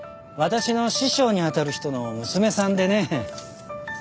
私の師匠に当たる人の娘さんでね。